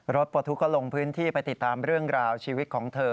ปลดทุกข์ก็ลงพื้นที่ไปติดตามเรื่องราวชีวิตของเธอ